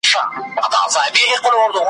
ملنګه ! کوم يوسف ته دې ليدلی خوب بيان کړ؟ `